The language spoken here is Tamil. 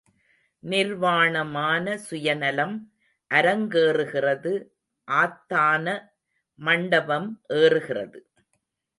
நிர்வாணமான சுயநலம் அரங்கேறுகிறது ஆத்தான மண்டபம் ஏறுகிறது.